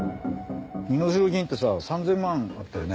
身代金ってさ３０００万あったよね？